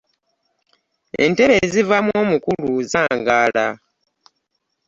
Entebe ezivaamu omukulu zangaala .